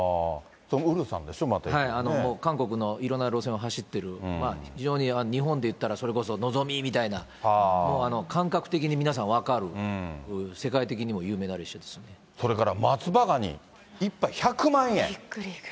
ウルサンでしょ、はい、韓国のいろんな路線を走ってる、非常に日本でいったら、それこそのぞみみたいな、もう感覚的に皆さん分かる、それから松葉ガニ、１杯１０びっくり。